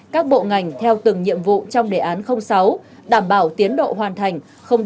các bộ ngành theo từng nhiệm vụ trong đề án sáu đảm bảo tiến độ hoàn thành